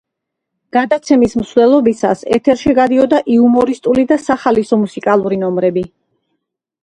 გადაცემის მსვლელობისას ეთერში გადიოდა იუმორისტული და სახალისო მუსიკალური ნომრები.